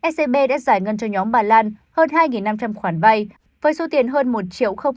scb đã giải ngân cho nhóm bà lan hơn hai năm trăm linh khoản vay với số tiền hơn một sáu mươi sáu tỷ đồng